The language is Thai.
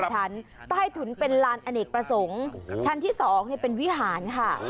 ชั้นใต้ถุนเป็นลานอเนกประสงค์ชั้นที่๒เป็นวิหารค่ะ